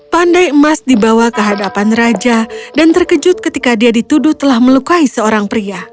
pandai emas dibawa ke hadapan raja dan terkejut ketika dia dituduh telah melukai seorang pria